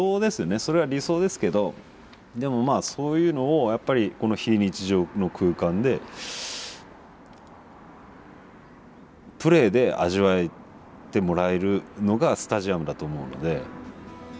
それは理想ですけどでもまあそういうのをやっぱりこの非日常の空間でプレーで味わってもらえるのがスタジアムだと思うので。